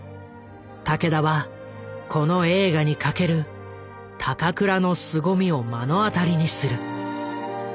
武田はこの映画に懸ける高倉のすごみを目の当たりにする。